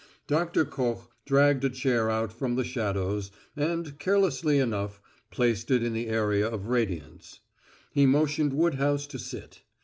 Doctor Koch dragged a chair out from the shadows, and, carelessly enough, placed it in the area of radiance; he motioned Woodhouse to sit.